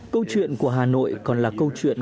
câu chuyện của hà nội còn là câu chuyện